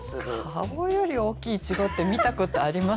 顔より大きいいちごって見たことあります？